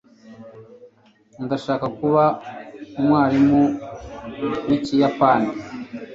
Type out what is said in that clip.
ndashaka kuba umwarimu wikiyapani